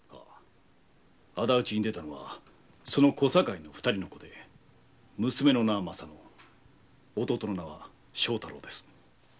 仇討ちに出たのは小堺の二人の子で娘の名は「まさ乃」弟の名は正太郎です。